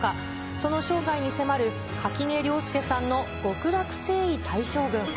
その生涯に迫る垣根涼介さんの極楽征夷大将軍。